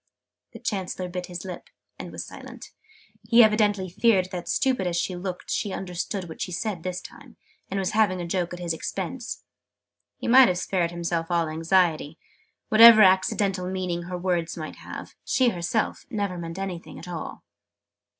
The Chancellor bit his lip, and was silent. He evidently feared that, stupid as she looked, she understood what she said this time, and was having a joke at his expense. He might have spared himself all anxiety: whatever accidental meaning her words might have, she herself never meant anything at all.